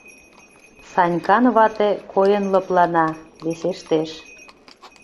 — Санькан вате койын лыплана, весештеш.